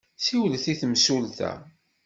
Siwlet i temsulta.